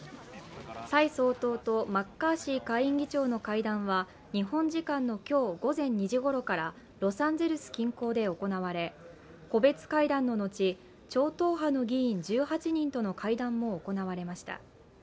蔡総統とマッカーシー下院議長の会談は日本時間の今日午前２時ごろからロサンゼルス近郊で行われ、個別会談の後、超党派の議員１８人との会談も行われました。